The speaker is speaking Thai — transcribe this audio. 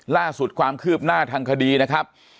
ล่าสุดความคืบหน้าทางคดีนะครับ